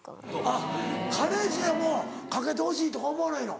あっ彼氏でもかけてほしいとか思わないの。